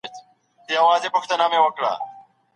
کمپيوټر اېډز راپور جوړوي.